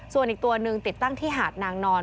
ส่วนอีกตัวหนึ่งติดตั้งที่หาดนางนอน